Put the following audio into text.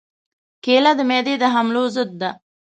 کېله د معدې د حملو ضد ده.